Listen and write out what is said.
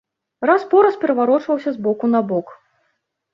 Раз-пораз пераварочваўся з боку на бок.